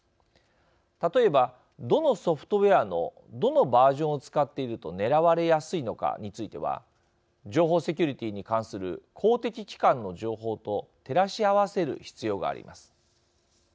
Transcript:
例えば、どのソフトウエアのどのバージョンを使っていると狙われやすいのかについては情報セキュリティーに関する公的機関の情報と照らし合わせる必要があります。